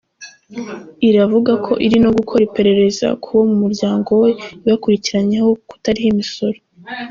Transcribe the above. Iravuga ko iri no gukora iperereza ku bo mu muryango we ibakurikiranyeho kutariha imisoro.